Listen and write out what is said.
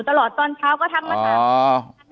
แต่คุณยายจะขอย้ายโรงเรียน